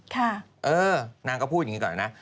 เออนางก็พูดอย่างนี้ก่อนนะ